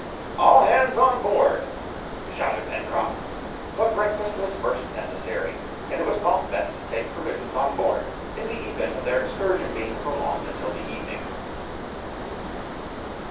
"All hands on board," shouted Pencroft, but breakfast was first necessary, and it was thought best to take provisions on board, in the event of their excursion being prolonged until the evening.